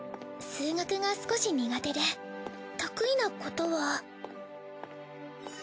数学が少し苦手で得意なことは